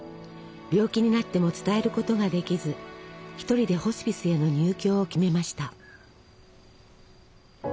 病気になっても伝えることができず一人でホスピスへの入居を決めました。